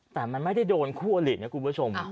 แต่มันไม่ได้โดนคู่อลินะคุณผู้ชม